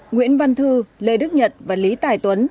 nguyễn văn thư lê đức nhật và lý tài tuấn